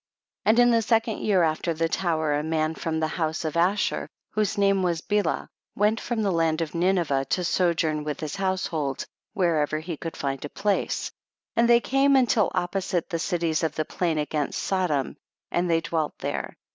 35. And in the second year after the tower a man from the house of Ashur, whose name was Bela, went from the land of Ninevah to sojourn with his household wherever he could find a place; and they came until opposite the cities of the plain against ISodom, and they dwelt there.